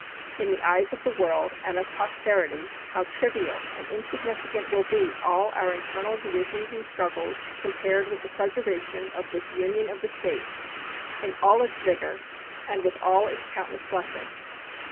In the eyes of the world and of posterity how trivial and insignificant will be all our internal divisions and struggles compared with the preservation of this Union of the States in all its vigor and with all its countless blessings!